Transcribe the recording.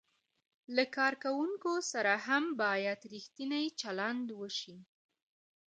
له کارکوونکو سره هم باید ریښتینی چلند وشي.